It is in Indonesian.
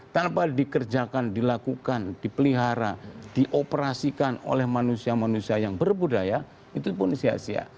tanpa dikerjakan dilakukan dipelihara dioperasikan oleh manusia manusia yang berbudaya itu pun sia sia